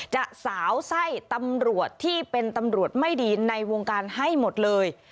จะสาวไส้ตำรวจที่เป็นตำรวจไม่ดีในวงการให้หมดเลย